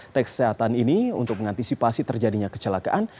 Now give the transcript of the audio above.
tes kesehatan ini untuk mengantisipasi terjadinya kecelakaan